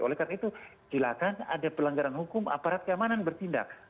oleh karena itu silakan ada pelanggaran hukum aparat keamanan bertindak